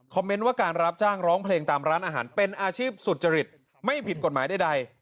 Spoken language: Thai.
เมนต์ว่าการรับจ้างร้องเพลงตามร้านอาหารเป็นอาชีพสุจริตไม่ผิดกฎหมายใด